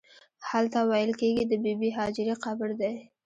هلته ویل کېږي د بې بي هاجرې قبر دی.